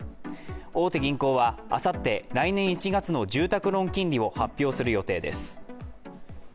大手銀行はあさって、来年１月の住宅ローン金利を発表する予定です。